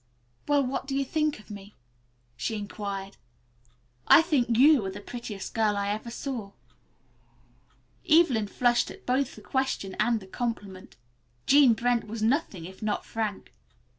"Well, what do you think of me?" she inquired. "I think you are the prettiest girl I ever saw." Evelyn flushed at both the question and the compliment. Jean Brent was nothing if not frank.